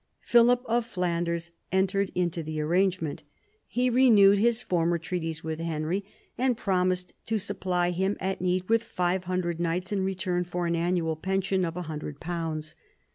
Philip of Flanders entered into the arrangement. He renewed his former treaties with Henry, and promised to supply him at need with five hundred knights in return for an annual pension of a hundred pounds.